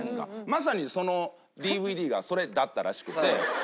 まさにそのＤＶＤがそれだったらしくて。